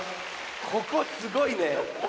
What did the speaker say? ここすごいね。